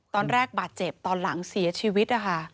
ตอนแรกบาดเจ็บตอนหลังเสียชีวิตนะคะ